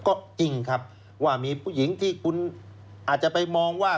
ก็จริงครับว่ามีผู้หญิงที่คุณอาจจะไปมองว่า